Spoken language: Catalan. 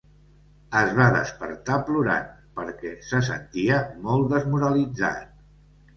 Es va despertar plorant perquè se sentia molt desmoralitzat.